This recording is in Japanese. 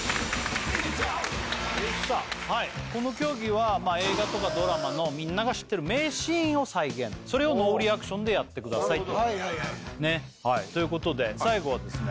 はいこの競技は映画とかドラマのみんなが知ってる名シーンを再現それをノーリアクションでやってくださいとということで最後はですね